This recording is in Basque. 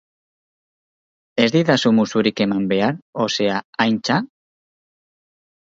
Ez didazu musurik eman behar, o sea, Aintza?